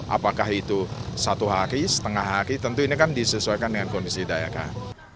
apakah itu satu hari setengah hari tentu ini kan disesuaikan dengan kondisi daya kan